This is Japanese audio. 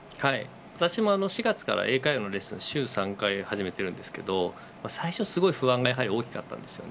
私も４月から英会話のレッスン週３回、始めているんですが最初すごい不安が大きかったです。